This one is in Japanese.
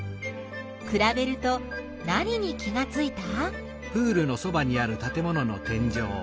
くらべると何に気がついた？